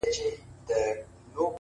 څه دي راوکړل د قرآن او د ګیتا لوري’